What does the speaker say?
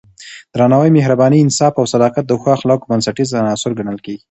درناوی، مهرباني، انصاف او صداقت د ښو اخلاقو بنسټیز عناصر ګڼل کېږي.